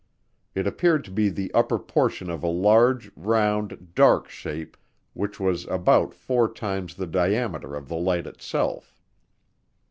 It appeared to be the upper portion of a large, round, dark shape which was about four times the diameter of the light itself.